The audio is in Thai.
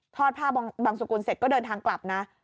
ผ้าบางสกุลเสร็จก็เดินทางกลับนะ